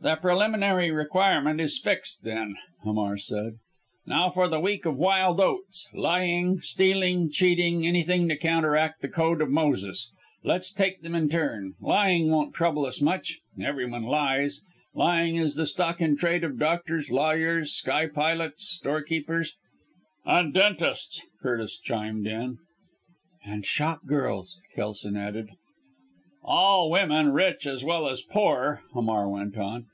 "The preliminary requirement is fixed then," Hamar said. "Now for the week of wild oats! Lying, stealing, cheating anything to counteract the code of Moses! Let's take them in turn. Lying won't trouble us much. Every one lies. Lying is the stock in trade of doctors, lawyers, sky pilots, storekeepers " "And dentists!" Curtis chimed in. "And shop girls!" Kelson added. "All women rich as well as poor!" Hamar went on.